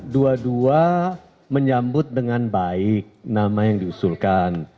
dua dua menyambut dengan baik nama yang diusulkan